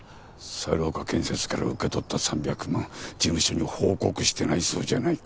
猿岡建設から受け取った３００万事務所に報告してないそうじゃないか。